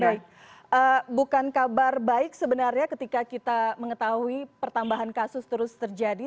baik bukan kabar baik sebenarnya ketika kita mengetahui pertambahan kasus terus terjadi